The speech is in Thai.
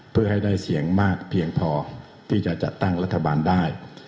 เพื่อให้ได้เสียงมากเพียงพอที่จะจัดตั้งรัฐบาลได้